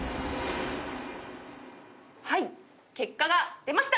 結果が出ました。